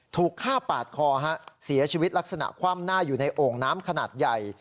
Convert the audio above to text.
ถูกฆ่าปาดคอเสียชีวิตลักษณะคว่ำหน้าอยู่ในโอ่งน้ำขนาดใหญ่